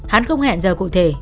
hắn không hẹn giờ cụ thể